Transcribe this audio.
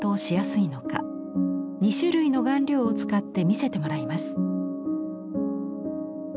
２種類の顔料を使って見せてもらいます。